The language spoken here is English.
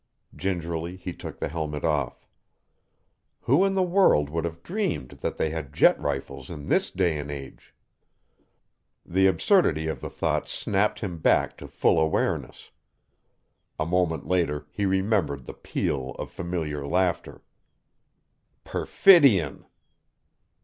Gingerly, he took the helmet off. Who in the world would have dreamed that they had jet rifles in this day and age! The absurdity of the thought snapped him back to full awareness. A moment later he remembered the peal of familiar laughter. Perfidion!